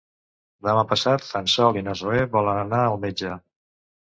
Demà passat en Sol i na Zoè volen anar al metge.